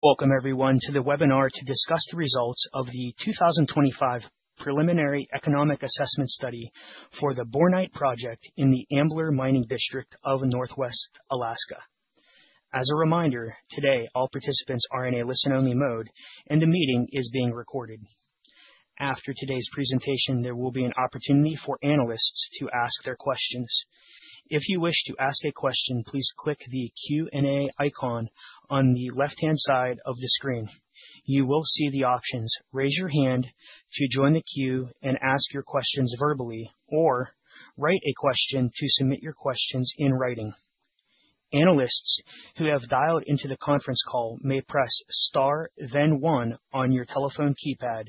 Welcome everyone to the webinar to discuss the results of the 2025 preliminary economic assessment study for the Bornite project in the Ambler Mining District of Northwest Alaska. As a reminder, today, all participants are in a listen-only mode, and the meeting is being recorded. After today's presentation, there will be an opportunity for analysts to ask their questions. If you wish to ask a question, please click the Q&A icon on the left-hand side of the screen. You will see the options, raise your hand to join the queue and ask your questions verbally, or write a question to submit your questions in writing. Analysts who have dialed into the conference call may press Star, then one on your telephone keypad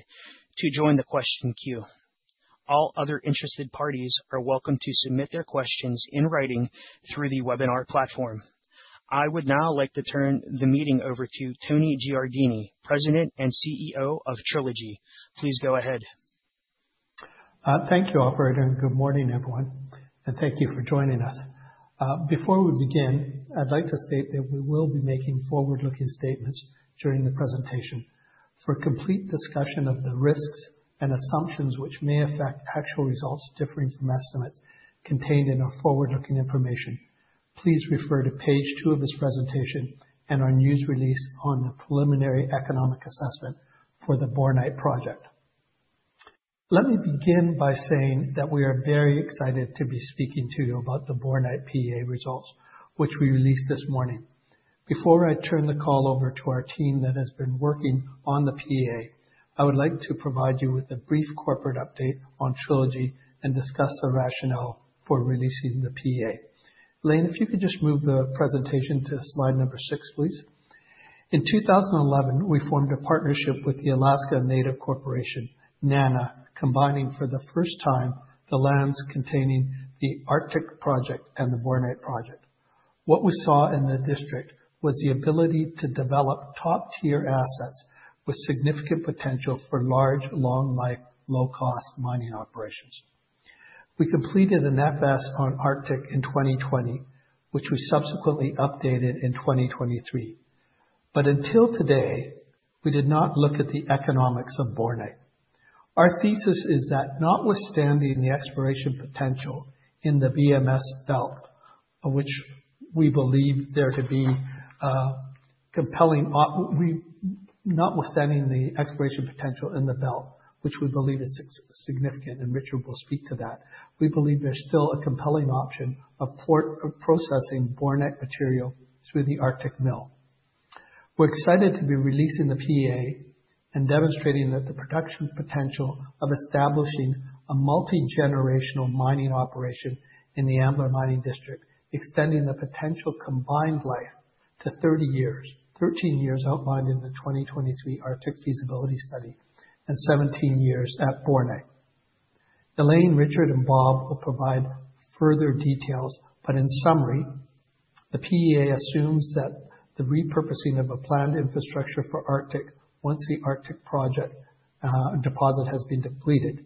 to join the question queue. All other interested parties are welcome to submit their questions in writing through the webinar platform. I would now like to turn the meeting over to Tony Giardini, President and CEO of Trilogy. Please go ahead. Thank you, operator, and good morning, everyone, and thank you for joining us. Before we begin, I'd like to state that we will be making forward-looking statements during the presentation. For complete discussion of the risks and assumptions which may affect actual results differing from estimates contained in our forward-looking information, please refer to page two of this presentation and our news release on the preliminary economic assessment for the Bornite project. Let me begin by saying that we are very excited to be speaking to you about the Bornite PEA results, which we released this morning. Before I turn the call over to our team that has been working on the PEA, I would like to provide you with a brief corporate update on Trilogy and discuss the rationale for releasing the PEA. Elaine, if you could just move the presentation to slide number six, please. In 2011, we formed a partnership with the Alaska Native Corporation, NANA, combining for the first time the lands containing the Arctic project and the Bornite project. What we saw in the district was the ability to develop top-tier assets with significant potential for large, long life, low-cost mining operations. We completed an FS on Arctic in 2020, which we subsequently updated in 2023. Until today, we did not look at the economics of Bornite. Our thesis is that notwithstanding the exploration potential in the belt, which we believe is significant, and Richard will speak to that, we believe there's still a compelling option for processing Bornite material through the Arctic mill. We're excited to be releasing the PEA and demonstrating that the production potential of establishing a multi-generational mining operation in the Ambler Mining District, extending the potential combined life to 30 years, 13 years outlined in the 2023 Arctic feasibility study, and 17 years at Bornite. Elaine, Richard, and Bob will provide further details, but in summary, the PEA assumes that the repurposing of a planned infrastructure for Arctic once the Arctic project deposit has been depleted.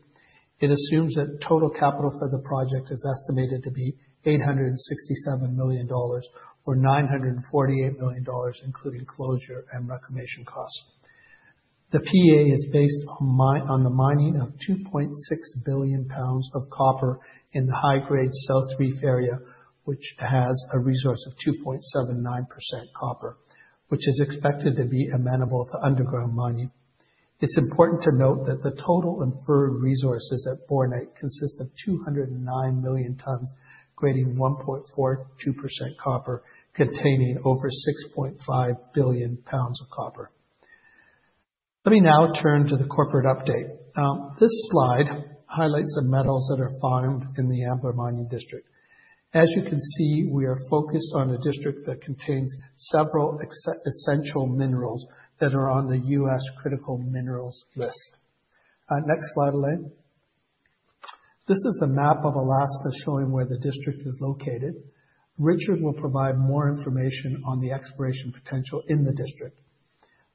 It assumes that total capital for the project is estimated to be $867 million or $948 million, including closure and reclamation costs. The PEA is based on the mining of 2.6 billion pounds of copper in the high-grade South Reef area, which has a resource of 2.79% copper, which is expected to be amenable to underground mining. It's important to note that the total inferred resources at Bornite consist of 209 million tons, creating 1.42% copper containing over 6.5 billion pounds of copper. Let me now turn to the corporate update. This slide highlights the metals that are found in the Ambler Mining District. As you can see, we are focused on a district that contains several essential minerals that are on the U.S. Critical Minerals List. Next slide, Elaine. This is a map of Alaska showing where the district is located. Richard will provide more information on the exploration potential in the district.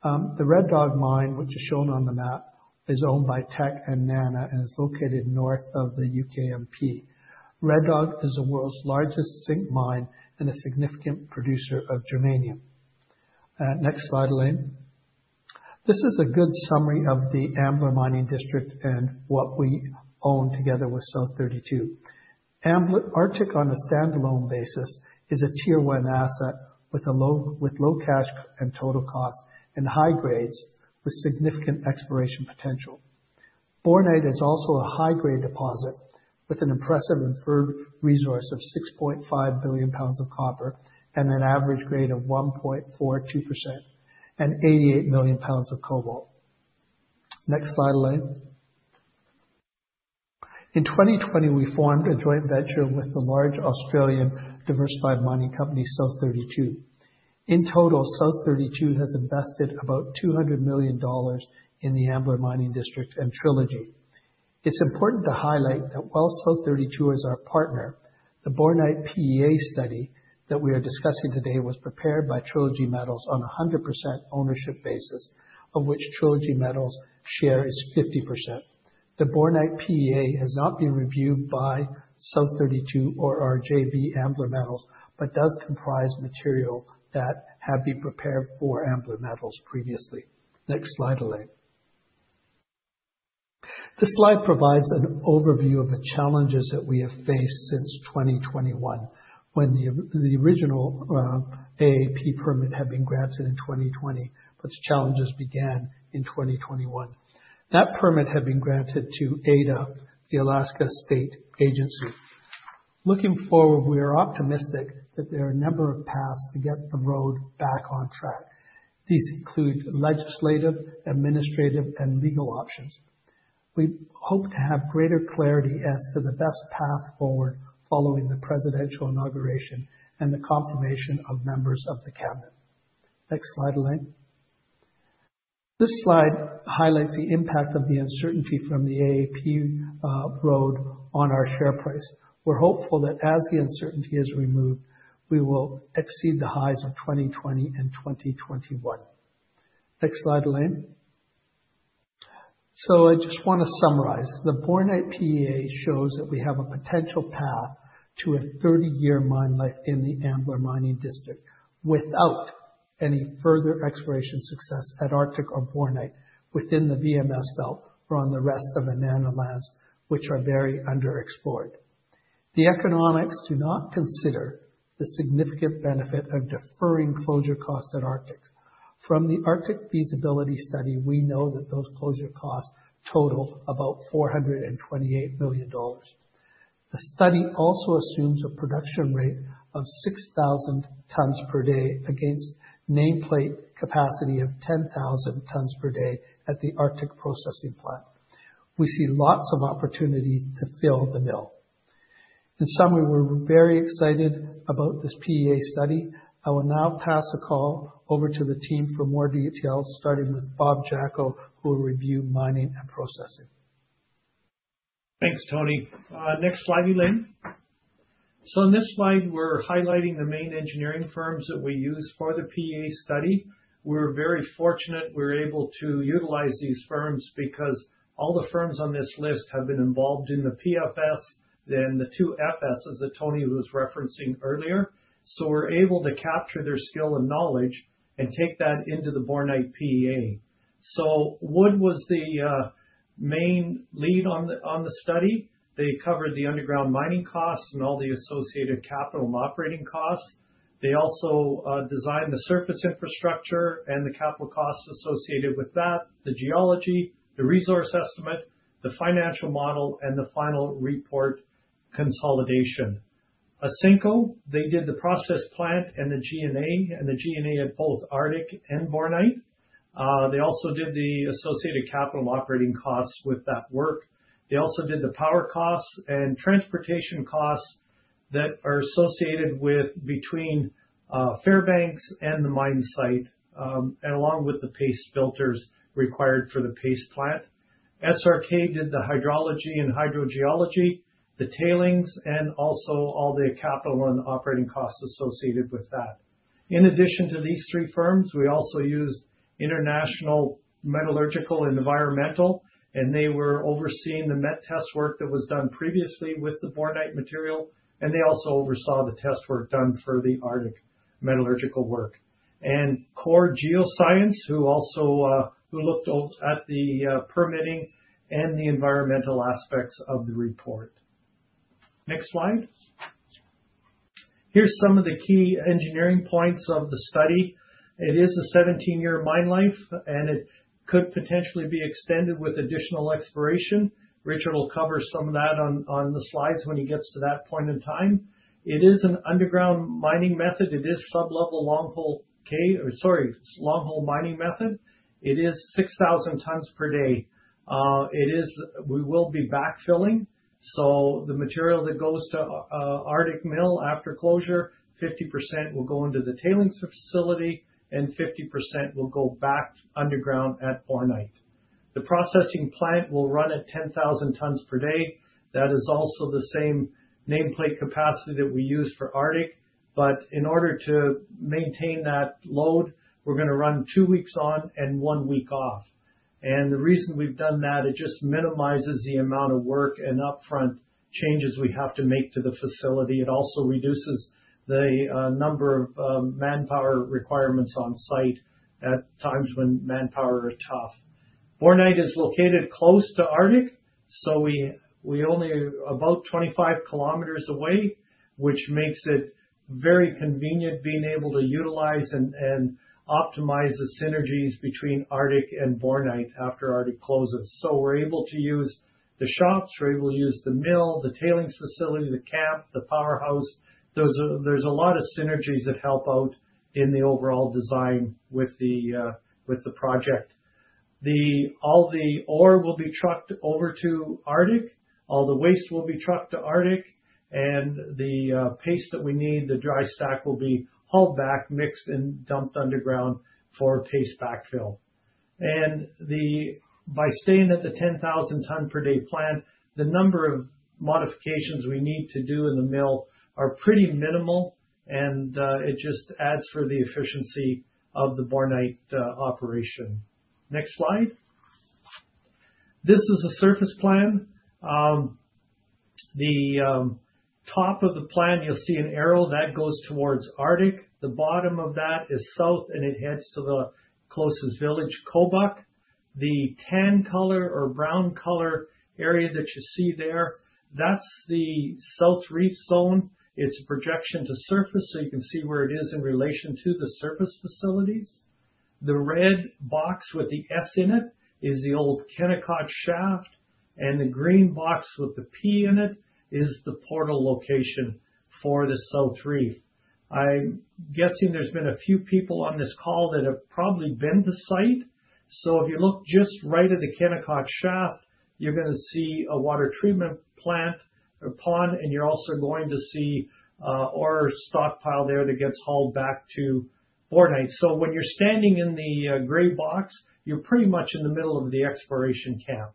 The Red Dog mine, which is shown on the map, is owned by Teck and NANA and is located north of the UKMP. Red Dog is the world's largest zinc mine and a significant producer of germanium. Next slide, Elaine. This is a good summary of the Ambler Mining District and what we own together with South32. Ambler, Arctic on a standalone basis is a tier one asset with a low C1 cash costs and total costs and high grades with significant exploration potential. Bornite is also a high-grade deposit with an impressive inferred resource of 6.5 billion pounds of copper and an average grade of 1.42% and 88 million pounds of cobalt. Next slide, Elaine. In 2020, we formed a joint venture with the large Australian diversified mining company, South32. In total, South32 has invested about $200 million in the Ambler Mining District and Trilogy. It's important to highlight that while South32 is our partner, the Bornite PEA study that we are discussing today was prepared by Trilogy Metals on a 100% ownership basis, of which Trilogy Metals' share is 50%. The Bornite PEA has not been reviewed by South32 or our JV Ambler Metals, but does comprise material that had been prepared for Ambler Metals previously. Next slide, Elaine. This slide provides an overview of the challenges that we have faced since 2021 when the original AAP permit had been granted in 2020, but the challenges began in 2021. That permit had been granted to AIDEA, the Alaska State Agency. Looking forward, we are optimistic that there are a number of paths to get the road back on track. These include legislative, administrative, and legal options. We hope to have greater clarity as to the best path forward following the presidential inauguration and the confirmation of members of the cabinet. Next slide, Elaine. This slide highlights the impact of the uncertainty from the AAP road on our share price. We're hopeful that as the uncertainty is removed, we will exceed the highs of 2020 and 2021. Next slide, Elaine. I just wanna summarize. The Bornite PEA shows that we have a potential path to a 30-year mine life in the Ambler Mining District without any further exploration success at Arctic or Bornite within the VMS belt or on the rest of the NANA lands, which are very underexplored. The economics do not consider the significant benefit of deferring closure costs at Arctic. From the Arctic feasibility study, we know that those closure costs total about $428 million. The study also assumes a production rate of 6,000 tons per day against nameplate capacity of 10,000 tons per day at the Arctic processing plant. We see lots of opportunity to fill the mill. In summary, we're very excited about this PEA study. I will now pass the call over to the team for more details, starting with Bob Jacko, who will review mining and processing. Thanks, Tony. Next slide, Elaine. On this slide, we're highlighting the main engineering firms that we use for the PEA study. We're very fortunate we're able to utilize these firms because all the firms on this list have been involved in the PFS and the two FSs that Tony was referencing earlier. We're able to capture their skill and knowledge and take that into the Bornite PEA. Wood was the main lead on the study. They covered the underground mining costs and all the associated capital and operating costs. They also designed the surface infrastructure and the capital costs associated with that, the geology, the resource estimate, the financial model, and the final report consolidation. Ausenco, they did the process plant and the G&A, and the G&A of both Arctic and Bornite. They also did the associated capital operating costs with that work. They also did the power costs and transportation costs that are associated with between Fairbanks and the mine site, along with the paste filters required for the paste plant. SRK did the hydrology and hydrogeology, the tailings, and also all the capital and operating costs associated with that. In addition to these three firms, we also used International Metallurgical and Environmental, and they were overseeing the met test work that was done previously with the Bornite material. They also oversaw the test work done for the Arctic metallurgical work. Core Geoscience also looked at the permitting and the environmental aspects of the report. Next slide. Here's some of the key engineering points of the study. It is a 17-year mine life, and it could potentially be extended with additional exploration. Richard will cover some of that on the slides when he gets to that point in time. It is an underground mining method. It is sublevel long-hole mining method. It is 6,000 tons per day. It is, we will be backfilling. So the material that goes to Arctic mill after closure, 50% will go into the tailings facility and 50% will go back underground at Bornite. The processing plant will run at 10,000 tons per day. That is also the same nameplate capacity that we use for Arctic. In order to maintain that load, we're gonna run two weeks on and one week off. The reason we've done that, it just minimizes the amount of work and upfront changes we have to make to the facility. It also reduces the number of manpower requirements on site at times when manpower are tough. Bornite is located close to Arctic, so we're only about 25 km away, which makes it very convenient being able to utilize and optimize the synergies between Arctic and Bornite after Arctic closes. We're able to use the shops, we're able to use the mill, the tailings facility, the camp, the powerhouse. There's a lot of synergies that help out in the overall design with the project. All the ore will be trucked over to Arctic. All the waste will be trucked to Arctic. The paste that we need, the dry stack will be hauled back, mixed, and dumped underground for paste backfill. By staying at the 10,000-ton per day plant, the number of modifications we need to do in the mill are pretty minimal, and it just adds for the efficiency of the Bornite operation. Next slide. This is a surface plan. The top of the plan, you'll see an arrow that goes towards Arctic. The bottom of that is south, and it heads to the closest village, Kobuk. The tan color or brown color area that you see there, that's the South Reef Zone. It's a projection to surface, so you can see where it is in relation to the surface facilities. The red box with the S in it is the old Kennecott shaft, and the green box with the P in it is the portal location for the South Reef. I'm guessing there's been a few people on this call that have probably been to site. If you look just right at the Kennecott shaft, you're gonna see a water treatment plant or pond, and you're also going to see ore stockpile there that gets hauled back to Bornite. When you're standing in the gray box, you're pretty much in the middle of the exploration camp.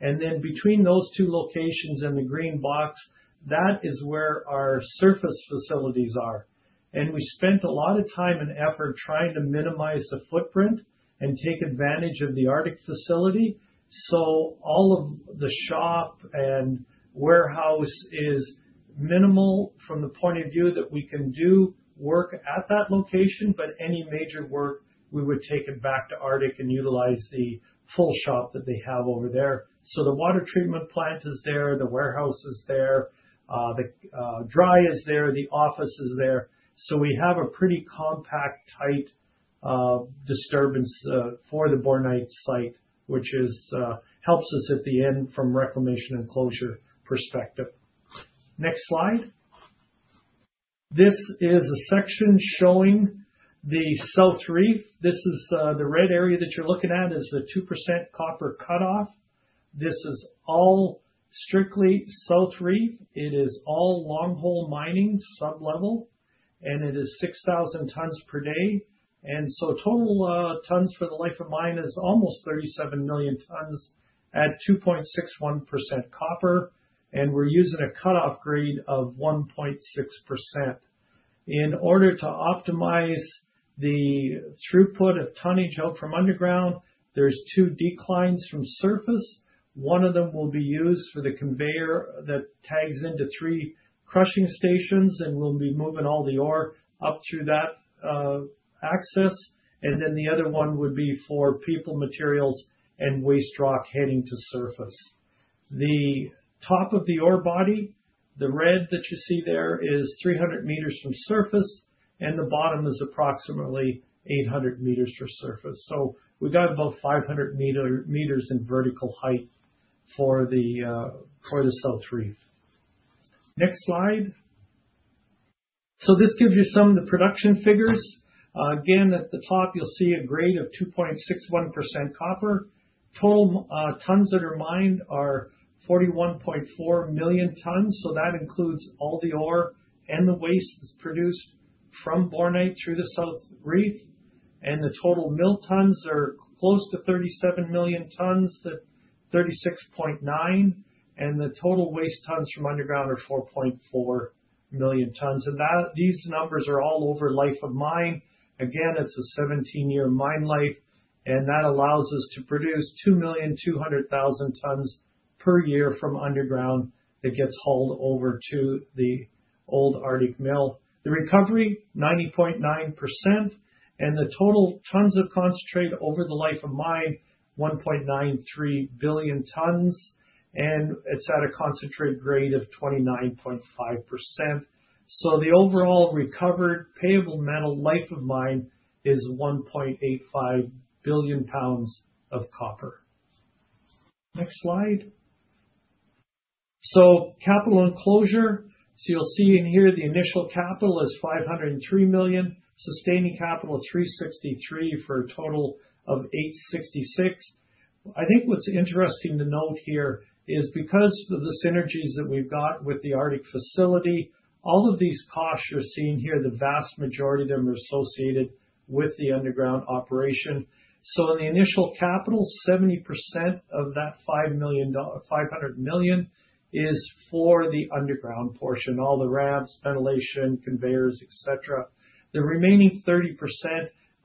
Then between those two locations in the green box, that is where our surface facilities are. We spent a lot of time and effort trying to minimize the footprint and take advantage of the Arctic facility. All of the shop and warehouse is minimal from the point of view that we can do work at that location, but any major work, we would take it back to Arctic and utilize the full shop that they have over there. The water treatment plant is there, the warehouse is there, the dry is there, the office is there. We have a pretty compact, tight disturbance for the Bornite site, which helps us at the end from reclamation and closure perspective. Next slide. This is a section showing the South Reef. This is the red area that you're looking at is the 2% copper cutoff. This is all strictly South Reef. It is all sublevel long hole mining, and it is 6,000 tons per day. Total tons for the life of mine is almost 37 million tons at 2.61% copper. We're using a cutoff grade of 1.6%. In order to optimize the throughput of tonnage out from underground, there are two declines from surface. One of them will be used for the conveyor that ties into three crushing stations and will be moving all the ore up through that access. The other one would be for people, materials, and waste rock heading to surface. The top of the ore body, the red that you see there is 300 m from surface, and the bottom is approximately 800 m from surface. We got about 500 m in vertical height for the South Reef. Next slide. This gives you some of the production figures. Again, at the top you'll see a grade of 2.61% copper. Total tons that are mined are 41.4 million tons, so that includes all the ore and the waste that's produced from Bornite through the South Reef. The total mill tons are close to 37 million tons to 36.9. The total waste tons from underground are 4.4 million tons. These numbers are all over life of mine. Again, it's a 17-year mine life, and that allows us to produce 2.2 million tons per year from underground that gets hauled over to the old Arctic mill. The recovery, 90.9%, and the total tons of concentrate over the life of mine, 1.93 billion tons, and it's at a concentrate grade of 29.5%. The overall recovered payable metal life of mine is 1.85 billion pounds of copper. Next slide. Capital and closure. You'll see in here the initial capital is $503 million, sustaining capital $363 million for a total of $866 million. I think what's interesting to note here is because of the synergies that we've got with the Arctic facility, all of these costs you're seeing here, the vast majority of them are associated with the underground operation. In the initial capital, 70% of that $500 million is for the underground portion, all the ramps, ventilation, conveyors, et cetera. The remaining 30%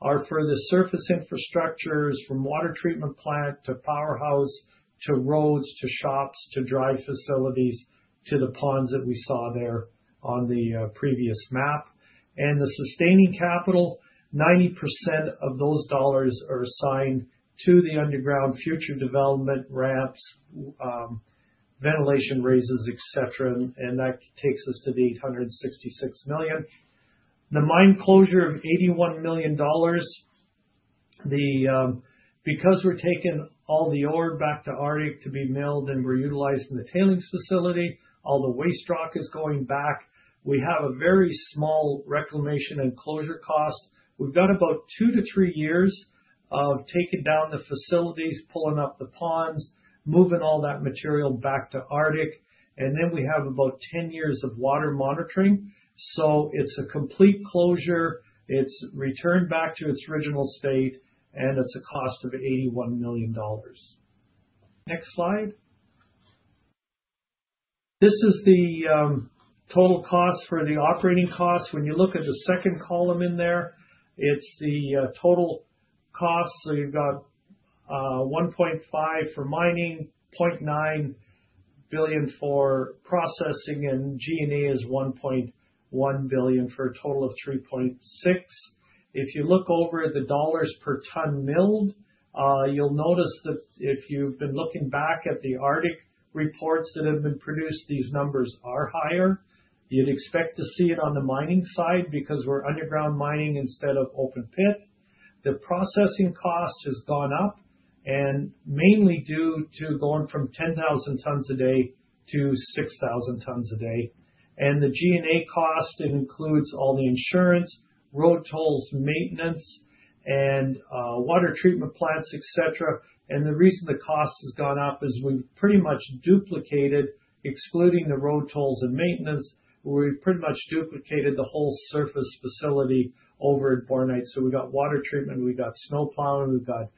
are for the surface infrastructures from water treatment plant to powerhouse to roads to shops to drive facilities to the ponds that we saw there on the previous map. The sustaining capital, 90% of those dollars are assigned to the underground future development ramps, ventilation raises, et cetera, and that takes us to the $866 million. The mine closure of $81 million, because we're taking all the ore back to Arctic to be milled and we're utilizing the tailings facility, all the waste rock is going back. We have a very small reclamation and closure cost. We've got about two to three years of taking down the facilities, pulling up the ponds, moving all that material back to Arctic, and then we have about 10 years of water monitoring. It's a complete closure. It's returned back to its original state, and it's a cost of $81 million. Next slide. This is the total cost for the operating cost. When you look at the second column in there, it's the total cost. You've got $1.5 billion for mining, $0.9 billion for processing, and G&A is $1.1 billion for a total of $3.6 billion. If you look over the dollars per ton milled, you'll notice that if you've been looking back at the Arctic reports that have been produced, these numbers are higher. You'd expect to see it on the mining side because we're underground mining instead of open pit. The processing cost has gone up and mainly due to going from 10,000 tons a day to 6,000 tons a day. The G&A cost includes all the insurance, road tolls, maintenance, and water treatment plants, etc. The reason the cost has gone up is we've pretty much duplicated, excluding the road tolls and maintenance, we've pretty much duplicated the whole surface facility over at Bornite. We've got water treatment, we've got snowplow, we've got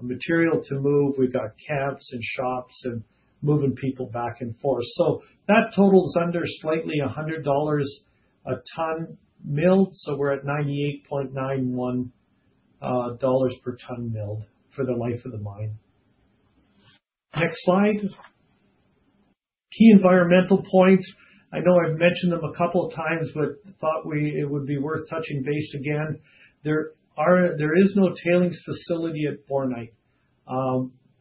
material to move, we've got camps and shops and moving people back and forth. That totals under slightly $100 a ton milled. We're at $98.91 per ton milled for the life of the mine. Next slide. Key environmental points. I know I've mentioned them a couple of times, but thought it would be worth touching base again. There is no tailings facility at Bornite.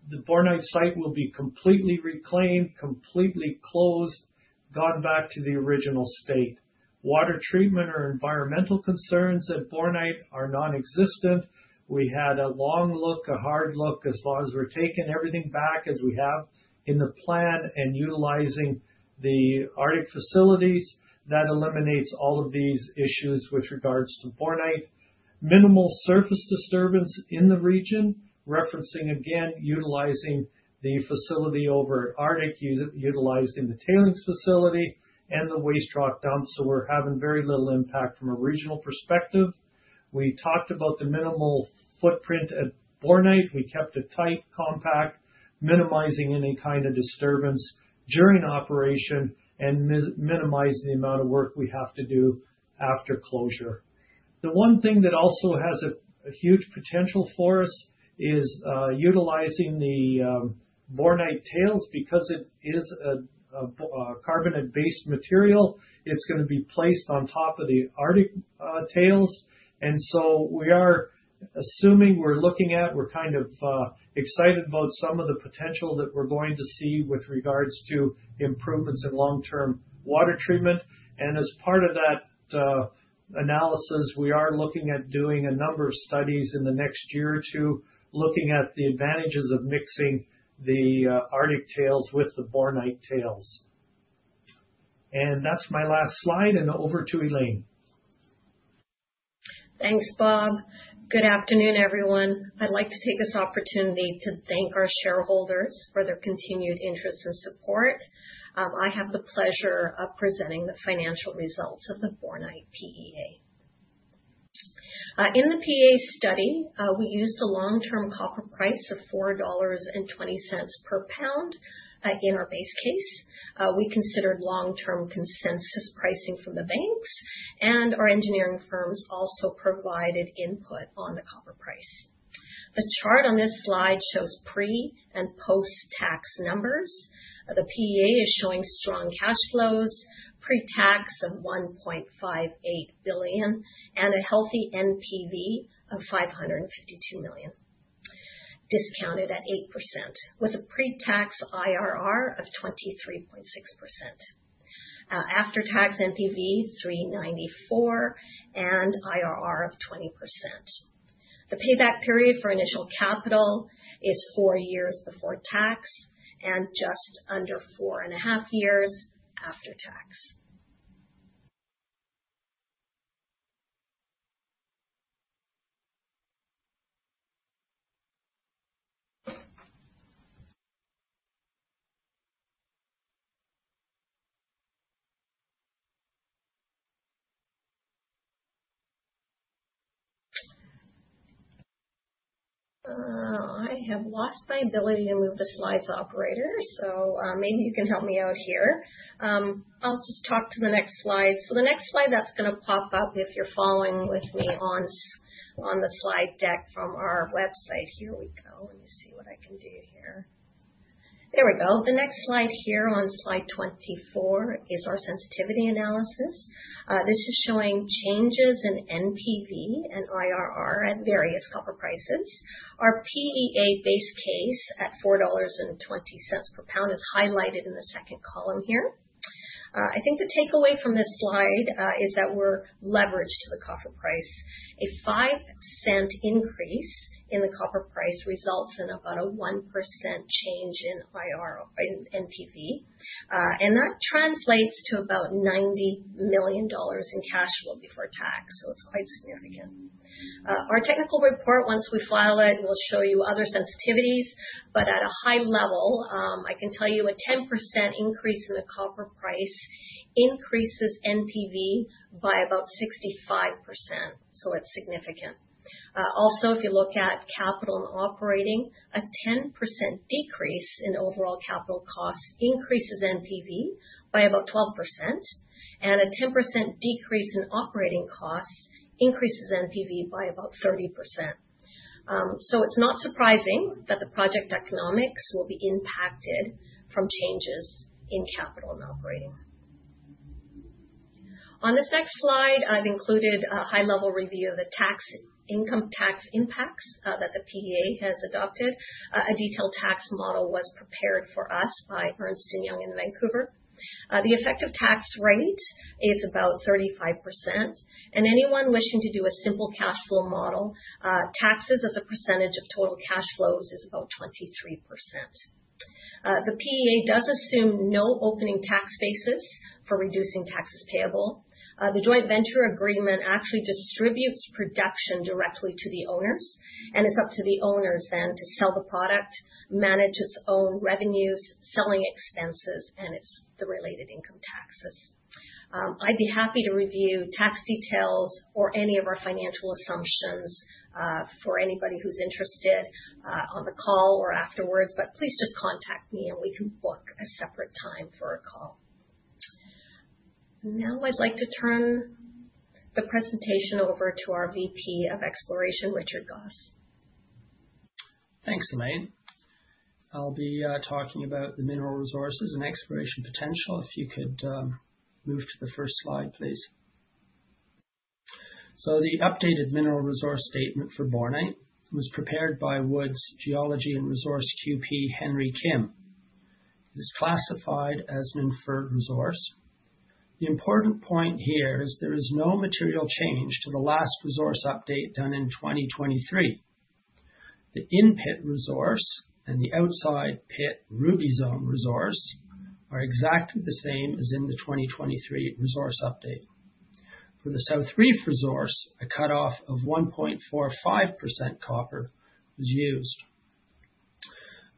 The Bornite site will be completely reclaimed, completely closed, gone back to the original state. Water treatment or environmental concerns at Bornite are nonexistent. We had a long look, a hard look as long as we're taking everything back as we have in the plan and utilizing the Arctic facilities, that eliminates all of these issues with regards to Bornite. Minimal surface disturbance in the region, referencing again, utilizing the facility over at Arctic, utilizing the tailings facility and the waste rock dump. We're having very little impact from a regional perspective. We talked about the minimal footprint at Bornite. We kept it tight, compact, minimizing any kind of disturbance during operation and minimize the amount of work we have to do after closure. The one thing that also has a huge potential for us is utilizing the Bornite tails because it is a carbonate-based material. It's gonna be placed on top of the Arctic tails. We are assuming we're kind of excited about some of the potential that we're going to see with regards to improvements in long-term water treatment. As part of that analysis, we are looking at doing a number of studies in the next year or two, looking at the advantages of mixing the Arctic tails with the Bornite tails. That's my last slide. Over to Elaine. Thanks, Bob. Good afternoon, everyone. I'd like to take this opportunity to thank our shareholders for their continued interest and support. I have the pleasure of presenting the financial results of the Bornite PEA. In the PEA study, we used a long-term copper price of $4.20 per pound in our base case. We considered long-term consensus pricing from the banks, and our engineering firms also provided input on the copper price. The chart on this slide shows pre- and post-tax numbers. The PEA is showing strong cash flows, pre-tax of $1.58 billion and a healthy NPV of $552 million, discounted at 8% with a pre-tax IRR of 23.6%. After-tax NPV $394 million and IRR of 20%. The payback period for initial capital is four years before tax and just under 4.5 years after tax. I have lost my ability to move the slides, operator, maybe you can help me out here. I'll just talk to the next slide. The next slide that's gonna pop up if you're following with me on the slide deck from our website. Here we go. Let me see what I can do here. There we go. The next slide here on slide 24 is our sensitivity analysis. This is showing changes in NPV and IRR at various copper prices. Our PEA base case at $4.20 per pound is highlighted in the second column here. I think the takeaway from this slide is that we're leveraged to the copper price. A 5% increase in the copper price results in about a 1% change in NPV, and that translates to about $90 million in cash flow before tax. It's quite significant. Our technical report, once we file it, we'll show you other sensitivities, but at a high level, I can tell you a 10% increase in the copper price increases NPV by about 65%, it's significant. Also, if you look at capital and operating, a 10% decrease in overall capital costs increases NPV by about 12%, and a 10% decrease in operating costs increases NPV by about 30%. It's not surprising that the project economics will be impacted from changes in capital and operating. On this next slide, I've included a high-level review of the tax impacts that the PEA has adopted. A detailed tax model was prepared for us by Ernst & Young in Vancouver. The effective tax rate is about 35%. Anyone wishing to do a simple cash flow model, taxes as a percentage of total cash flows is about 23%. The PEA does assume no opening tax basis for reducing taxes payable. The joint venture agreement actually distributes production directly to the owners, and it's up to the owners then to sell the product, manage its own revenues, selling expenses, and it's the related income taxes. I'd be happy to review tax details or any of our financial assumptions, for anybody who's interested, on the call or afterwards, but please just contact me, and we can book a separate time for a call. Now, I'd like to turn the presentation over to our VP of Exploration, Richard Gosse. Thanks, Elaine. I'll be talking about the mineral resources and exploration potential. If you could move to the first slide, please. The updated mineral resource statement for Bornite was prepared by Wood's Geology and Resource QP, Henry Kim. It's classified as an inferred resource. The important point here is there is no material change to the last resource update done in 2023. The in-pit resource and the outside pit Ruby zone resource are exactly the same as in the 2023 resource update. For the South Reef resource, a cut-off of 1.45% copper was used.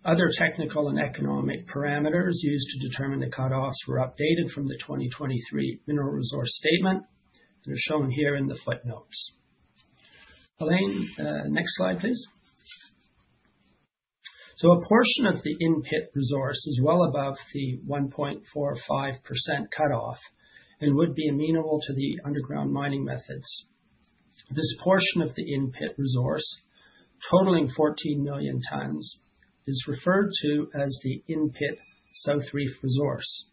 Other technical and economic parameters used to determine the cut-offs were updated from the 2023 mineral resource statement, and are shown here in the footnotes. Elaine, next slide, please. A portion of the in-pit resource is well above the 1.45% cut-off and would be amenable to the underground mining methods. This portion of the in-pit resource, totaling 14 million tons, is referred to as the in-pit South Reef resource.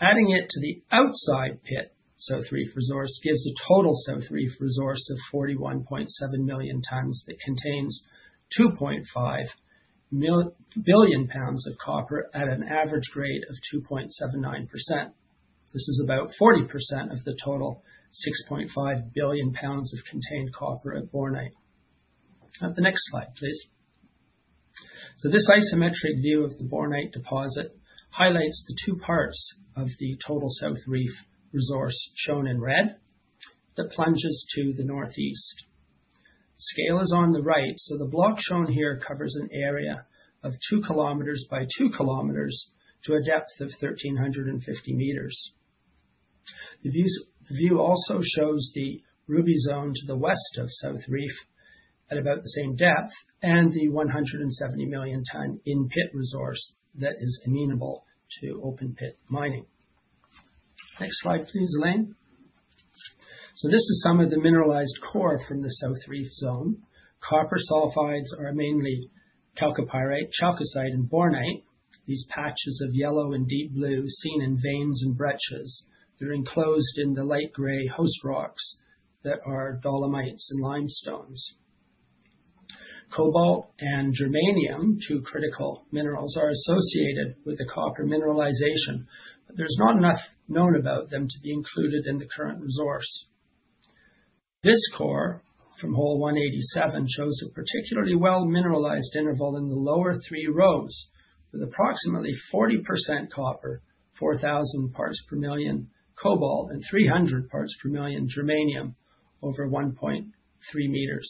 Adding it to the outside pit South Reef resource gives a total South Reef resource of 41.7 million tons that contains 2.5 billion pounds of copper at an average rate of 2.79%. This is about 40% of the total 6.5 billion pounds of contained copper at Bornite. The next slide, please. This isometric view of the Bornite deposit highlights the two parts of the total South Reef resource, shown in red, that plunges to the northeast. Scale is on the right, so the block shown here covers an area of 2 km by 2 km to a depth of 1,350 m. The view also shows the Ruby zone to the west of South Reef at about the same depth and the 170 million ton in-pit resource that is amenable to open pit mining. Next slide, please, Elaine. This is some of the mineralized core from the South Reef zone. Copper sulfides are mainly chalcopyrite, chalcocite, and bornite. These patches of yellow and deep blue seen in veins and breccias are enclosed in the light gray host rocks that are dolomites and limestones. cobalt and germanium, two critical minerals, are associated with the copper mineralization, but there's not enough known about them to be included in the current resource. This core from hole 187 shows a particularly well-mineralized interval in the lower three rows, with approximately 40% copper, 4,000 ppm cobalt and 300 ppm germanium over 1.3 m.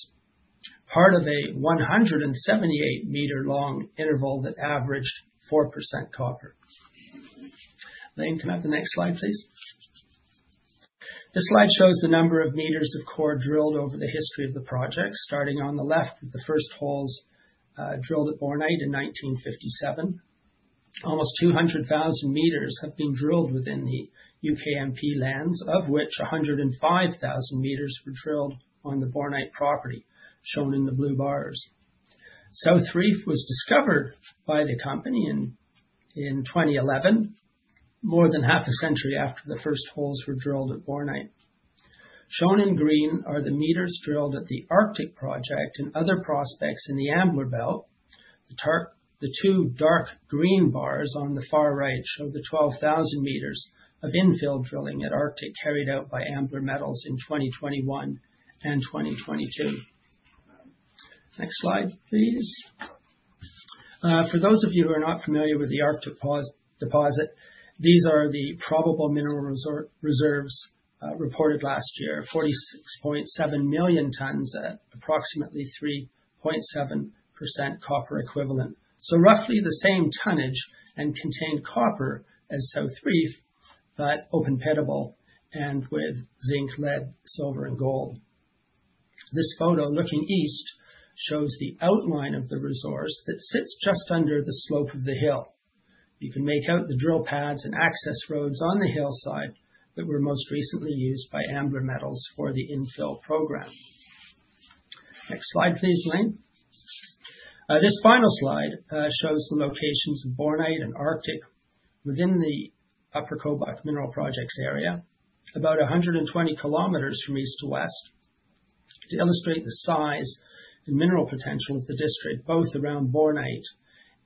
Part of a 178-meter long interval that averaged 4% copper. Elaine, can I have the next slide, please? This slide shows the number of meters of core drilled over the history of the project. Starting on the left with the first holes drilled at Bornite in 1957. Almost 200,000 m have been drilled within the UKMP lands, of which 105,000 m were drilled on the Bornite property, shown in the blue bars. South Reef was discovered by the company in 2011, more than half a century after the first holes were drilled at Bornite. Shown in green are the meters drilled at the Arctic Project and other prospects in the Ambler Belt. The two dark green bars on the far right show the 12,000 m of infill drilling at Arctic carried out by Ambler Metals in 2021 and 2022. Next slide, please. For those of you who are not familiar with the Arctic deposit, these are the probable mineral reserves reported last year. 46.7 million tons at approximately 3.7% copper equivalent. Roughly the same tonnage and contained copper as South Reef, but open-pittable and with zinc, lead, silver, and gold. This photo, looking east, shows the outline of the resource that sits just under the slope of the hill. You can make out the drill pads and access roads on the hillside that were most recently used by Ambler Metals for the infill program. Next slide, please, Elaine. This final slide shows the locations of Bornite and Arctic within the Upper Kobuk Mineral Projects area, about 120 km from east to west, to illustrate the size and mineral potential of the district, both around Bornite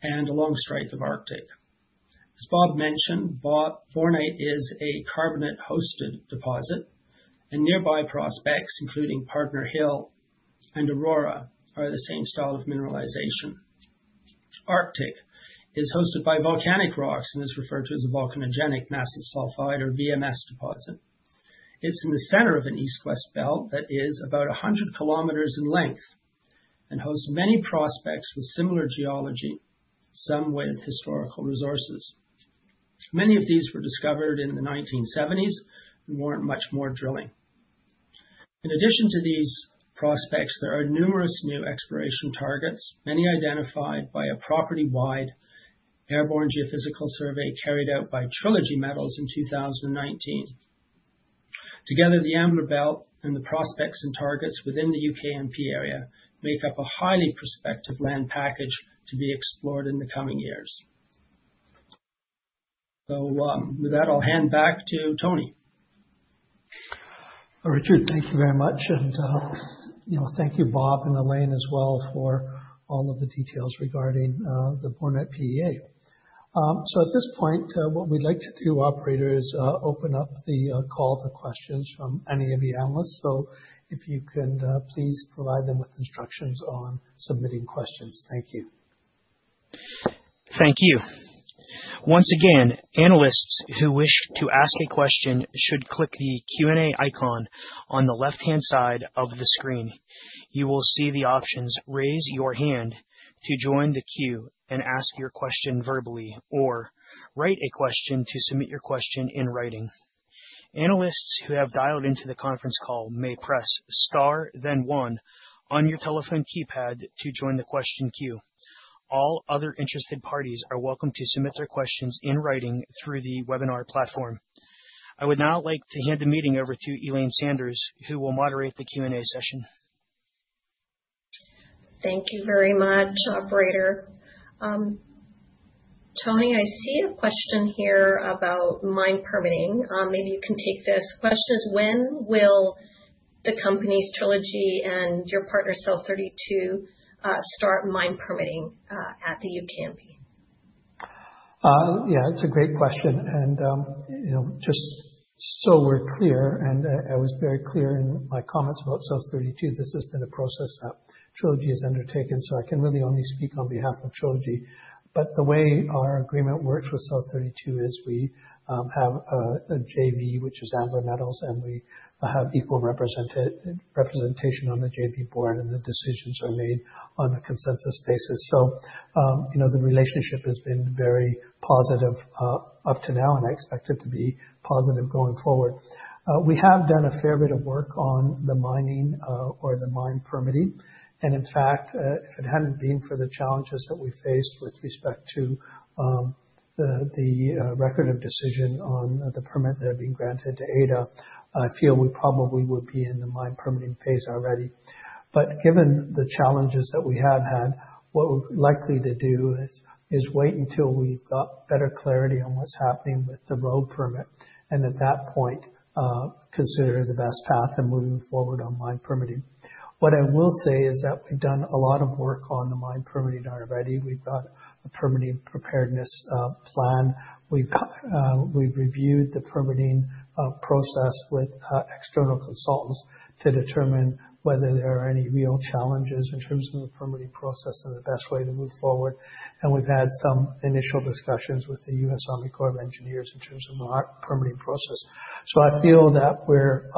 and along strike of Arctic. As Bob mentioned, Bornite is a carbonate-hosted deposit, and nearby prospects, including Pardner Hill and Aurora, are the same style of mineralization. Arctic is hosted by volcanic rocks and is referred to as a volcanogenic massive sulfide, or VMS deposit. It's in the center of an east-west belt that is about 100 km in length and hosts many prospects with similar geology, some with historical resources. Many of these were discovered in the 1970s with not much more drilling. In addition to these prospects, there are numerous new exploration targets, many identified by a property-wide airborne geophysical survey carried out by Trilogy Metals in 2019. Together, the Ambler Belt and the prospects and targets within the UKMP area make up a highly prospective land package to be explored in the coming years. With that, I'll hand back to Tony. Richard, thank you very much. Thank you, Bob and Elaine as well for all of the details regarding the Bornite PEA. At this point, what we'd like to do, operator, is open up the call to questions from any of the analysts. If you can please provide them with instructions on submitting questions. Thank you. Thank you. Once again, analysts who wish to ask a question should click the Q&A icon on the left-hand side of the screen. You will see the options, raise your hand to join the queue and ask your question verbally, or write a question to submit your question in writing. Analysts who have dialed into the conference call may press star then one on your telephone keypad to join the question queue. All other interested parties are welcome to submit their questions in writing through the webinar platform. I would now like to hand the meeting over to Elaine Sanders, who will moderate the Q&A session. Thank you very much, operator. Tony, I see a question here about mine permitting. Maybe you can take this. Question is, when will the company's Trilogy and your partner, South32, start mine permitting, at the UKMP? Yeah, it's a great question. You know, just so we're clear, I was very clear in my comments about South32, this has been a process that Trilogy has undertaken, so I can really only speak on behalf of Trilogy. The way our agreement works with South32 is we have a JV, which is Ambler Metals, and we have equal representation on the JV board, and the decisions are made on a consensus basis. You know, the relationship has been very positive up to now, and I expect it to be positive going forward. We have done a fair bit of work on the mining or the mine permitting. In fact, if it hadn't been for the challenges that we faced with respect to the record of decision on the permit that had been granted to AIDEA, I feel we probably would be in the mine permitting phase already. But given the challenges that we have had, what we're likely to do is wait until we've got better clarity on what's happening with the road permit, and at that point, consider the best path in moving forward on mine permitting. What I will say is that we've done a lot of work on the mine permitting already. We've got a permitting preparedness plan. We've reviewed the permitting process with external consultants to determine whether there are any real challenges in terms of the permitting process and the best way to move forward. We've had some initial discussions with the U.S. Army Corps of Engineers in terms of our permitting process. I feel that we're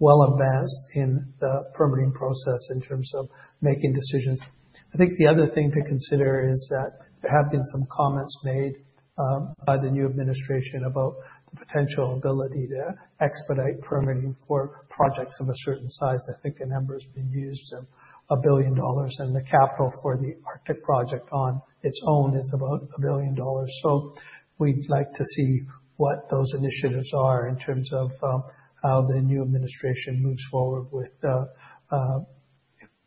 well advanced in the permitting process in terms of making decisions. I think the other thing to consider is that there have been some comments made by the new administration about the potential ability to expedite permitting for projects of a certain size. I think a number has been used of $1 billion, and the capital for the Arctic Project on its own is about $1 billion. We'd like to see what those initiatives are in terms of how the new administration moves forward with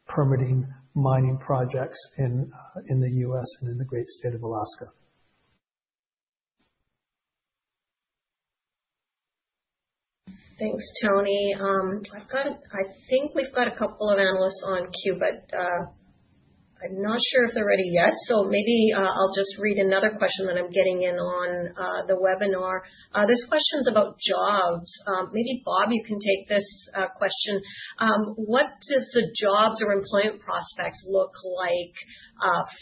permitting mining projects in the U.S. and in the great state of Alaska. Thanks, Tony. I think we've got a couple of analysts in queue, but I'm not sure if they're ready yet, so maybe I'll just read another question that I'm getting in on the webinar. This question's about jobs. Maybe Bob, you can take this question. What does the jobs or employment prospects look like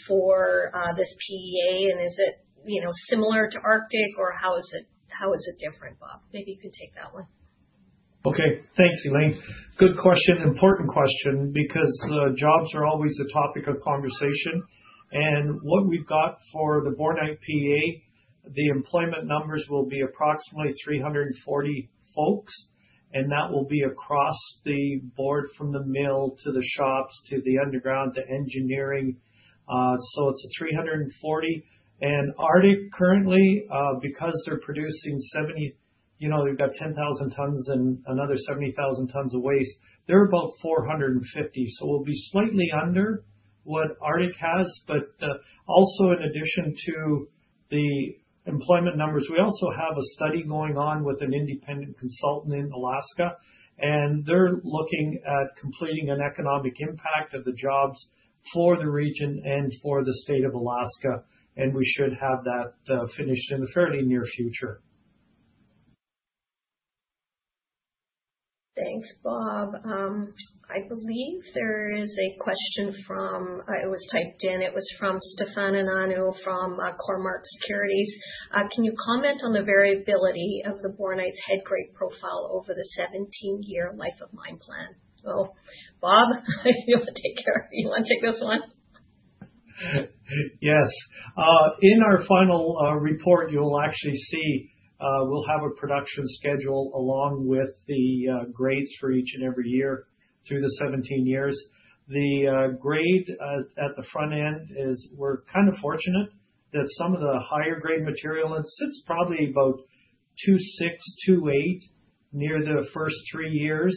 for this PEA, and is it, you know, similar to Arctic, or how is it different, Bob? Maybe you could take that one. Okay. Thanks, Elaine. Good question. Important question, because jobs are always a topic of conversation. What we've got for the Bornite PEA, the employment numbers will be approximately 340 folks, and that will be across the board from the mill to the shops to the underground to engineering. It's 340. Currently, because they're producing 70- You know, they've got 10,000 tons and another 70,000 tons of waste. They're about 450, so we'll be slightly under what Arctic has. Also in addition to the employment numbers, we also have a study going on with an independent consultant in Alaska, and they're looking at completing an economic impact of the jobs for the region and for the state of Alaska. We should have that finished in the fairly near future. Thanks, Bob. I believe there is a question from... It was typed in. It was from Stefan Ioannou from Cormark Securities. Can you comment on the variability of the Bornite's head grade profile over the 17-year life of mine plan? Bob, you wanna take this one? Yes. In our final report, you'll actually see we'll have a production schedule along with the grades for each and every year through the 17 years. The grade at the front end is we're kind of fortunate that some of the higher grade material it sits probably about 2.6%-2.8% near the first three years.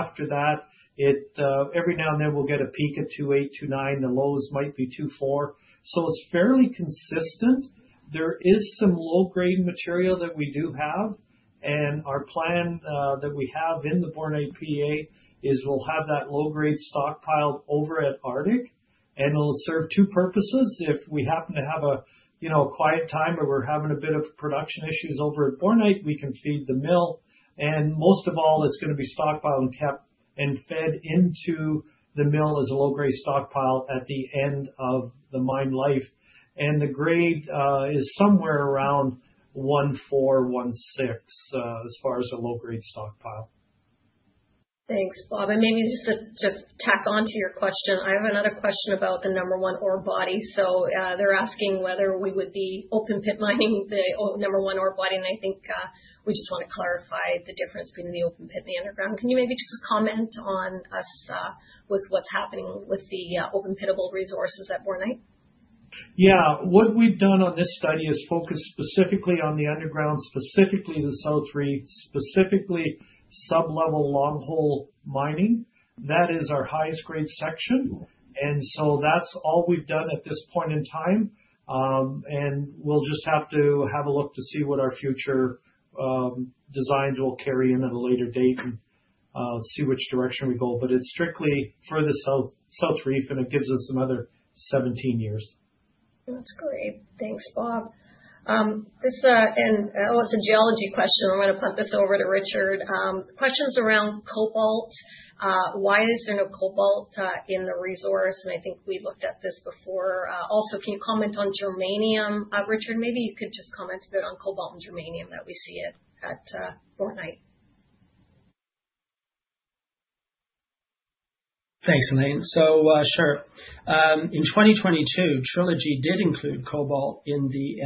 After that, every now and then we'll get a peak at 2.8%-2.9%. The lows might be 2.4%. It's fairly consistent. There is some low-grade material that we do have, and our plan that we have in the Bornite PEA is we'll have that low-grade stockpiled over at Arctic, and it'll serve two purposes. If we happen to have a you know a quiet time where we're having a bit of production issues over at Bornite, we can feed the mill. Most of all, it's gonna be stockpiled and kept and fed into the mill as a low-grade stockpile at the end of the mine life. The grade is somewhere around 1.4%-1.6% as far as the low-grade stockpile. Thanks, Bob. Maybe just to tack on to your question, I have another question about the number one ore body. They're asking whether we would be open pit mining the number one ore body, and I think we just wanna clarify the difference between the open pit and the underground. Can you maybe just comment on us with what's happening with the open-pittable resources at Bornite? Yeah. What we've done on this study is focus specifically on the underground, specifically the South Reef, specifically sublevel long hole mining. That is our highest grade section. That's all we've done at this point in time. We'll just have to have a look to see what our future designs will carry into the later date and see which direction we go. It's strictly for the South Reef, and it gives us another 17 years. That's great. Thanks, Bob. Oh, it's a geology question. I'm gonna pump this over to Richard. Questions around cobalt. Why is there no cobalt in the resource? I think we've looked at this before. Also, can you comment on germanium? Richard, maybe you could just comment a bit on cobalt and germanium that we see at Bornite. Thanks, Elaine. Sure. In 2022, Trilogy did include cobalt in the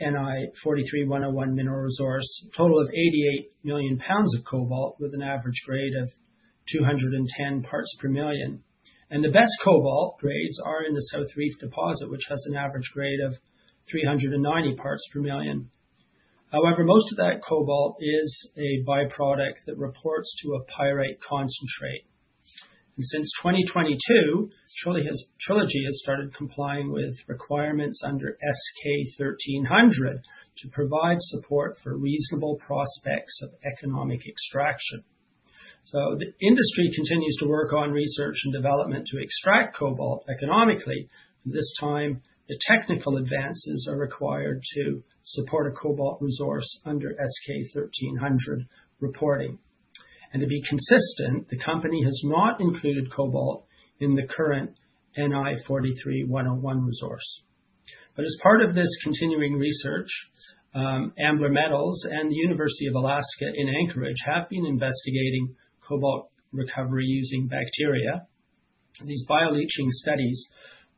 NI 43-101 mineral resource, total of 88 million pounds of cobalt with an average grade of 210 parts per million. The best cobalt grades are in the South Reef deposit, which has an average grade of 390 parts per million. However, most of that cobalt is a byproduct that reports to a pyrite concentrate. Since 2022, Trilogy has started complying with requirements under S-K 1300 to provide support for reasonable prospects of economic extraction. The industry continues to work on research and development to extract cobalt economically. This time, the technical advances are required to support a cobalt resource under S-K 1300 reporting. To be consistent, the company has not included cobalt in the current NI 43-101 resource. As part of this continuing research, Ambler Metals and the University of Alaska Anchorage have been investigating cobalt recovery using bacteria. These bioleaching studies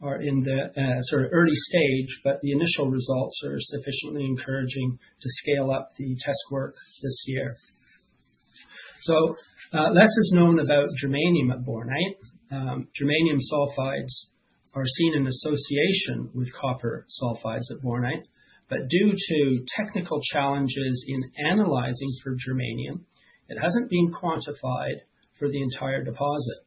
are in the sort of early stage, but the initial results are sufficiently encouraging to scale up the test work this year. Less is known about germanium at Bornite. Germanium sulfides are seen in association with copper sulfides at Bornite. Due to technical challenges in analyzing for germanium, it hasn't been quantified for the entire deposit.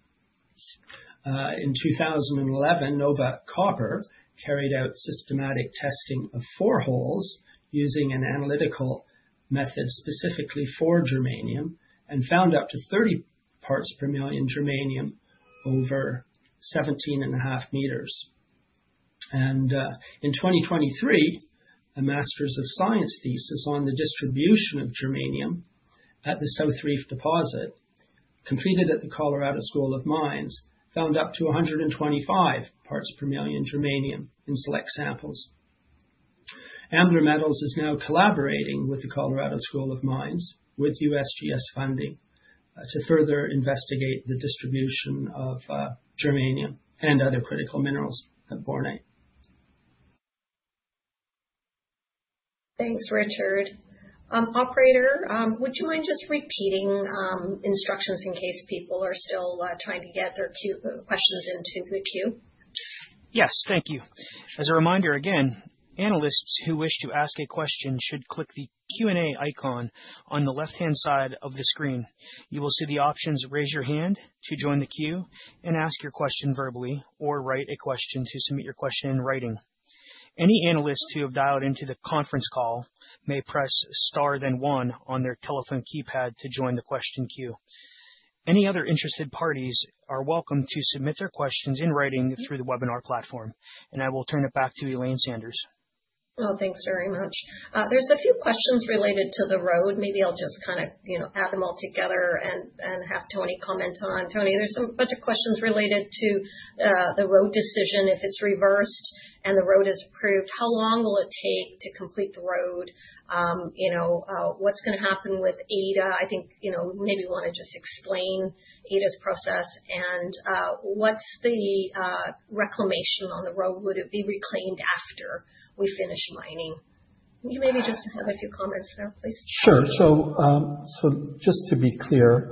In 2011, NovaCopper carried out systematic testing of four holes using an analytical method specifically for germanium and found up to 30 parts per million germanium over 17.5 m. In 2023, a Master of Science thesis on the distribution of germanium at the South Reef deposit, completed at the Colorado School of Mines, found up to 125 parts per million germanium in select samples. Ambler Metals is now collaborating with the Colorado School of Mines with USGS funding to further investigate the distribution of germanium and other critical minerals at Bornite. Thanks, Richard. Operator, would you mind just repeating instructions in case people are still trying to get their questions into the queue? Yes. Thank you. As a reminder again, analysts who wish to ask a question should click the Q&A icon on the left-hand side of the screen. You will see the options, raise your hand to join the queue and ask your question verbally, or write a question to submit your question in writing. Any analysts who have dialed into the conference call may press Star then one on their telephone keypad to join the question queue. Any other interested parties are welcome to submit their questions in writing through the webinar platform. I will turn it back to Elaine Sanders. Well, thanks very much. There's a few questions related to the road. Maybe I'll just kinda you know add them all together and have Tony comment on. Tony, there's a bunch of questions related to the road decision. If it's reversed and the road is approved, how long will it take to complete the road? What's gonna happen with AIDEA? I think maybe you wanna just explain AIDEA's process and what's the reclamation on the road? Would it be reclaimed after we finish mining? Can you maybe just have a few comments there, please? Sure. Just to be clear,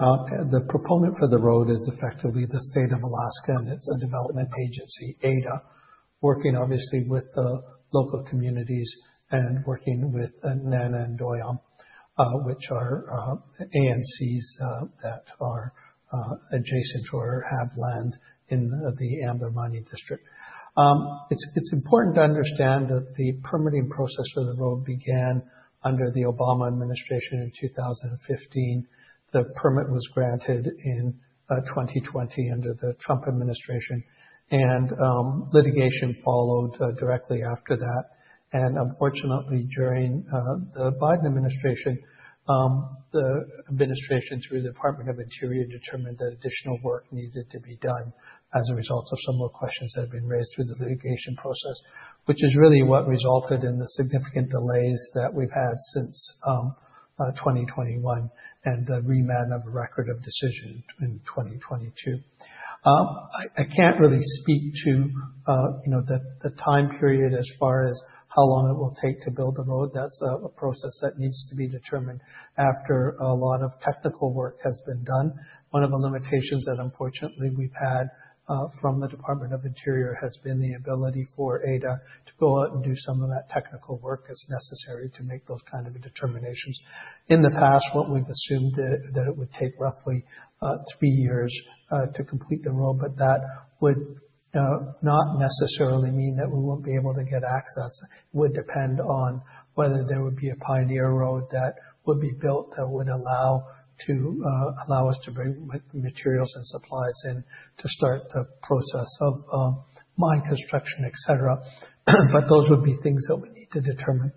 the proponent for the road is effectively the state of Alaska, and it's a development agency, AIDEA, working obviously with the local communities and working with NANA and Doyon, which are ANCs that are adjacent or have land in the Ambler Mining District. It's important to understand that the permitting process for the road began under the Obama Administration in 2015. The permit was granted in 2020 under the Trump Administration. Litigation followed directly after that. Unfortunately, during the Biden Administration, the administration through the Department of the Interior determined that additional work needed to be done as a result of some more questions that have been raised through the litigation process, which is really what resulted in the significant delays that we've had since 2021, and the remand of a record of decision in 2022. I can't really speak to you know, the time period as far as how long it will take to build the road. That's a process that needs to be determined after a lot of technical work has been done. One of the limitations that unfortunately we've had from the Department of the Interior has been the ability for AIDEA to go out and do some of that technical work as necessary to make those kind of determinations. In the past, what we've assumed that it would take roughly three years to complete the road, but that would not necessarily mean that we won't be able to get access. It would depend on whether there would be a pioneer road that would be built that would allow us to bring materials and supplies in to start the process of mine construction, et cetera. Those would be things that we need to determine.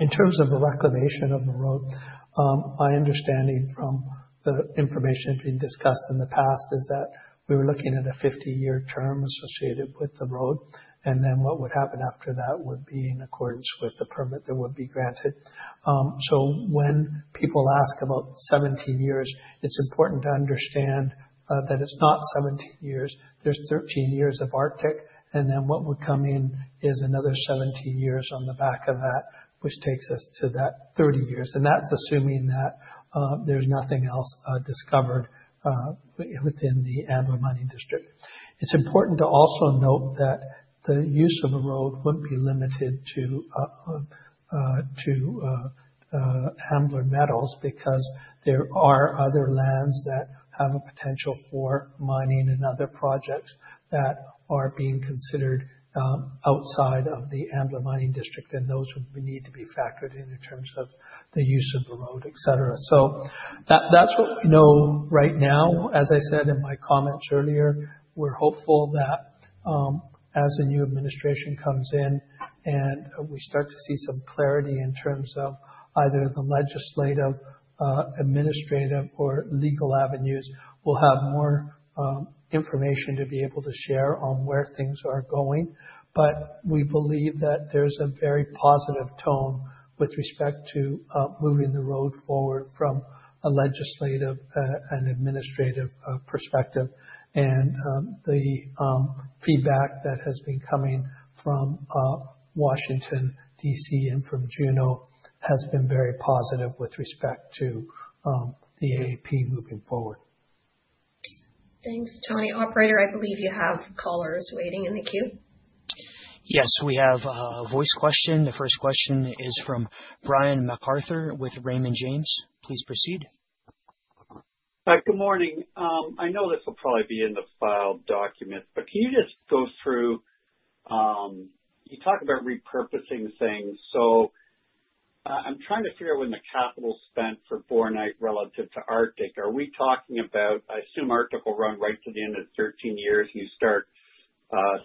In terms of the reclamation of the road, my understanding from the information that's been discussed in the past is that we were looking at a 50-year term associated with the road, and then what would happen after that would be in accordance with the permit that would be granted. When people ask about 17 years, it's important to understand that it's not 17 years. There's 13 years of Arctic, and then what would come in is another 17 years on the back of that, which takes us to that 30 years. That's assuming that there's nothing else discovered within the Ambler Mining District. It's important to also note that the use of a road wouldn't be limited to Ambler Metals because there are other lands that have a potential for mining and other projects that are being considered outside of the Ambler Mining District, and those would need to be factored in in terms of the use of the road, et cetera. That's what we know right now. As I said in my comments earlier, we're hopeful that, as a new administration comes in and we start to see some clarity in terms of either the legislative, administrative or legal avenues, we'll have more, information to be able to share on where things are going. We believe that there's a very positive tone with respect to, moving the road forward from a legislative, and administrative, perspective. The feedback that has been coming from, Washington, D.C. and from Juneau has been very positive with respect to, the AAP moving forward. Thanks, Tony. Operator, I believe you have callers waiting in the queue. Yes, we have a voice question. The first question is from Brian MacArthur with Raymond James. Please proceed. Good morning. I know this will probably be in the filed document, but can you just go through. You talked about repurposing things. I'm trying to figure out when the capital spent for Bornite relative to Arctic. Are we talking about, I assume Arctic will run right to the end of 13 years. You start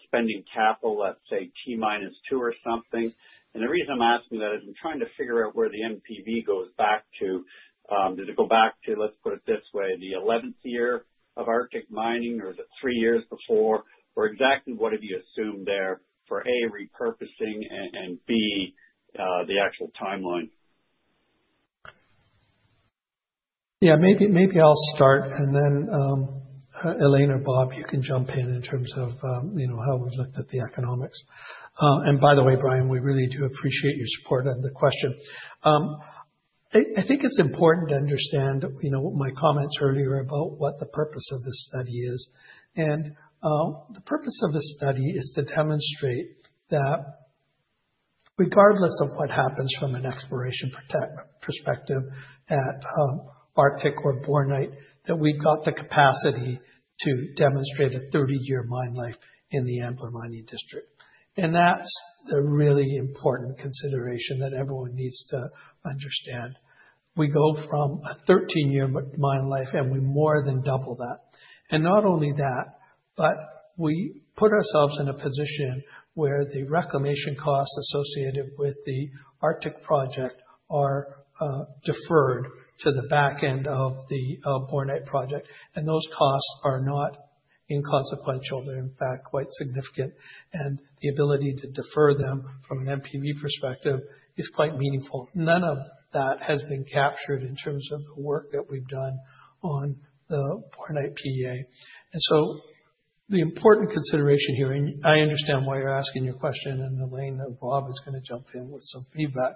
spending capital, let's say T minus two or something. The reason I'm asking that is I'm trying to figure out where the NPV goes back to. Does it go back to, let's put it this way, the 11th year of Arctic mining, or is it three years before. Or exactly what have you assumed there for A, repurposing, and B, the actual timeline. Yeah, maybe I'll start and then, Elaine or Bob, you can jump in in terms of, you know, how we've looked at the economics. By the way, Brian, we really do appreciate your support and the question. I think it's important to understand, you know, my comments earlier about what the purpose of this study is. The purpose of this study is to demonstrate that regardless of what happens from an exploration perspective at Arctic or Bornite, that we've got the capacity to demonstrate a 30-year mine life in the Ambler Mining District. That's the really important consideration that everyone needs to understand. We go from a 13-year mine life, and we more than double that. Not only that, but we put ourselves in a position where the reclamation costs associated with the Arctic project are deferred to the back end of the Bornite project. Those costs are not inconsequential. They're, in fact, quite significant, and the ability to defer them from an NPV perspective is quite meaningful. None of that has been captured in terms of the work that we've done on the Bornite PEA. The important consideration here, and I understand why you're asking your question, and Elaine or Bob is gonna jump in with some feedback,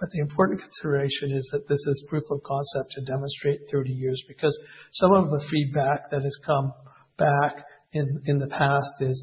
but the important consideration is that this is proof of concept to demonstrate 30 years because some of the feedback that has come back in the past is,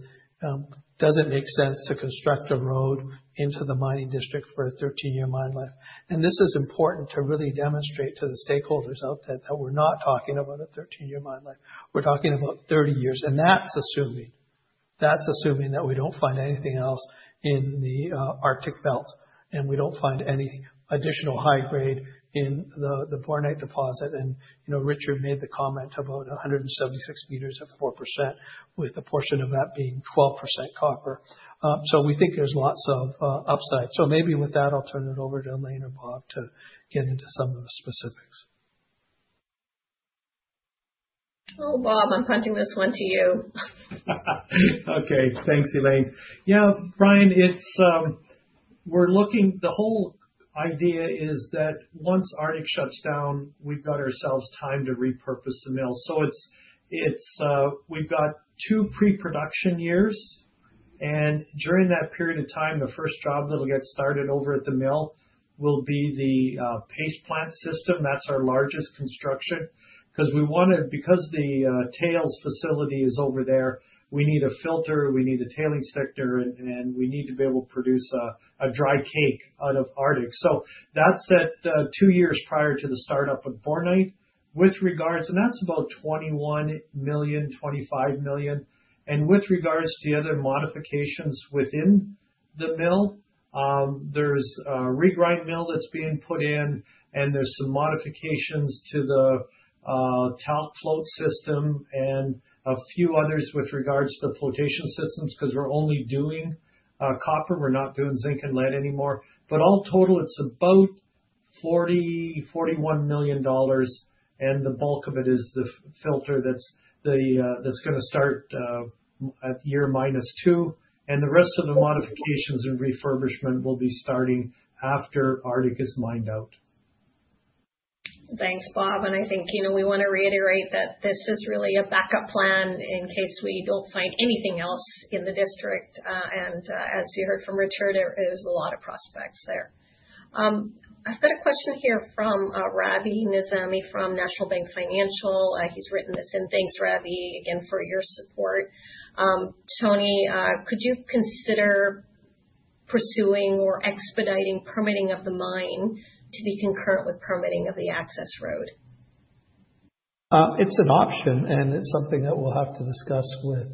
does it make sense to construct a road into the mining district for a 13-year mine life? This is important to really demonstrate to the stakeholders out there that we're not talking about a 13-year mine life. We're talking about 30 years, and that's assuming that we don't find anything else in the Ambler Belt, and we don't find any additional high grade in the Bornite deposit. You know, Richard made the comment about 176 m of 4% with a portion of that being 12% copper. We think there's lots of upside. Maybe with that, I'll turn it over to Elaine or Bob to get into some of the specifics. Oh, Bob, I'm punting this one to you. Okay. Thanks, Elaine. Yeah, Brian, it's. The whole idea is that once Arctic shuts down, we've got ourselves time to repurpose the mill. We've got two pre-production years, and during that period of time, the first job that'll get started over at the mill will be the paste plant system. That's our largest construction. Because the tailings facility is over there, we need a filter, we need a tailings sector, and we need to be able to produce a dry cake out of Arctic. That's at two years prior to the startup of Bornite. That's about $21 million-$25 million. With regards to the other modifications within the mill, there's a regrind mill that's being put in, and there's some modifications to the talc flotation system and a few others with regards to flotation systems 'cause we're only doing copper, we're not doing zinc and lead anymore. All total, it's about $41 million, and the bulk of it is the filter that's gonna start at year minus two, and the rest of the modifications and refurbishment will be starting after Arctic is mined out. Thanks, Bob. I think, you know, we wanna reiterate that this is really a backup plan in case we don't find anything else in the district. As you heard from Richard, there is a lot of prospects there. I've got a question here from Rabi Nizami from National Bank Financial. He's written this in. Thanks, Rabi, again, for your support. Tony, could you consider pursuing or expediting permitting of the mine to be concurrent with permitting of the access road? It's an option, and it's something that we'll have to discuss with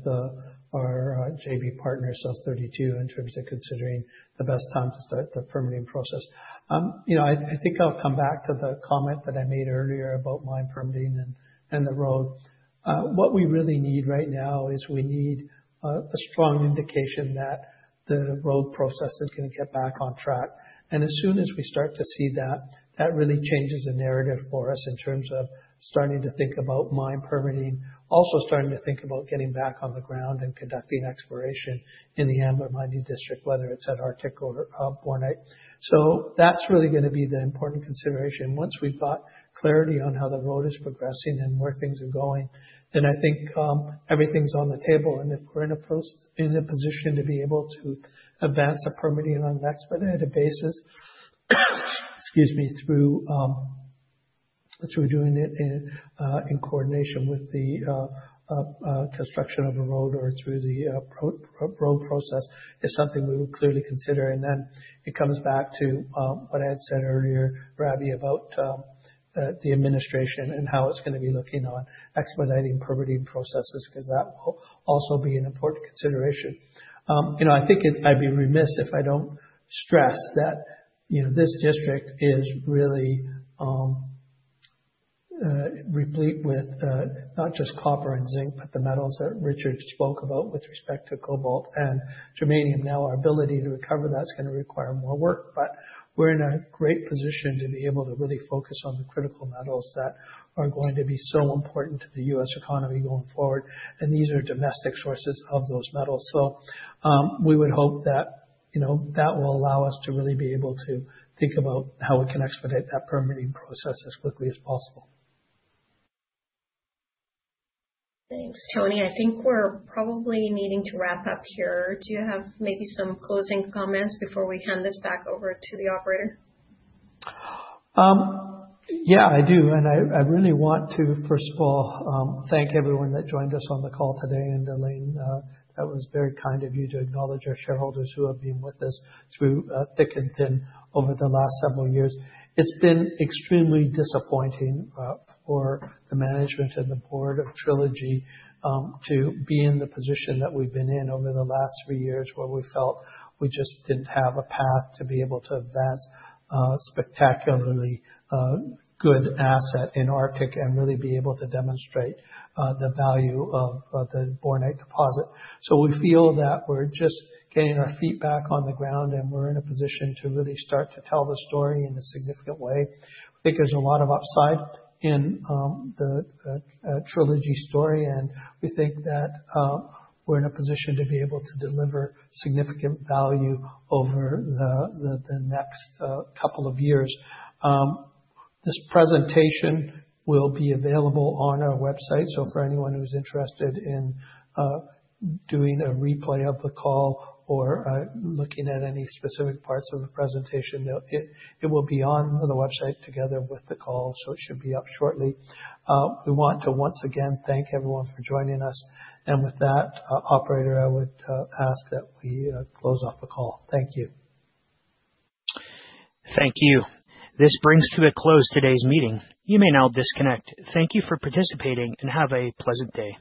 our JV partner, South32, in terms of considering the best time to start the permitting process. You know, I think I'll come back to the comment that I made earlier about mine permitting and the road. What we really need right now is we need a strong indication that the road process is gonna get back on track. As soon as we start to see that really changes the narrative for us in terms of starting to think about mine permitting, also starting to think about getting back on the ground and conducting exploration in the Ambler Mining District, whether it's at Arctic or Bornite. That's really gonna be the important consideration. Once we've got clarity on how the road is progressing and where things are going, then I think everything's on the table. If we're in a position to be able to advance a permitting on an expedited basis, excuse me, through doing it in coordination with the construction of a road or through the pro-road process, is something we would clearly consider. Then it comes back to what I had said earlier, Rabi, about the administration and how it's gonna be looking on expediting permitting processes, 'cause that will also be an important consideration. You know, I think it. I'd be remiss if I don't stress that, you know, this district is really replete with not just copper and zinc, but the metals that Richard spoke about with respect to cobalt and germanium. Now, our ability to recover that's gonna require more work, but we're in a great position to be able to really focus on the critical metals that are going to be so important to the U.S. economy going forward, and these are domestic sources of those metals. We would hope that, you know, that will allow us to really be able to think about how we can expedite that permitting process as quickly as possible. Thanks, Tony. I think we're probably needing to wrap up here. Do you have maybe some closing comments before we hand this back over to the operator? Yeah, I do. I really want to, first of all, thank everyone that joined us on the call today, and Elaine, that was very kind of you to acknowledge our shareholders who have been with us through thick and thin over the last several years. It's been extremely disappointing for the management and the board of Trilogy to be in the position that we've been in over the last three years, where we felt we just didn't have a path to be able to advance a spectacularly good asset in Arctic and really be able to demonstrate the value of the Bornite deposit. We feel that we're just getting our feet back on the ground, and we're in a position to really start to tell the story in a significant way. I think there's a lot of upside in the Trilogy story, and we think that we're in a position to be able to deliver significant value over the next couple of years. This presentation will be available on our website. For anyone who's interested in doing a replay of the call or looking at any specific parts of the presentation, it will be on the website together with the call, so it should be up shortly. We want to once again thank everyone for joining us. With that, operator, I would ask that we close off the call. Thank you. Thank you. This brings to a close today's meeting. You may now disconnect. Thank you for participating, and have a pleasant day.